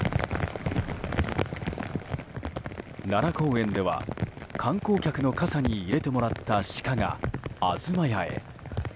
奈良公園では観光客の傘に入れてもらったシカが東屋へ。